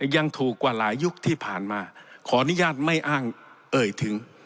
ยังถูกกว่าหลายยุคที่ผ่านมาขออนุญาตไม่อ้างเอ่ยถึง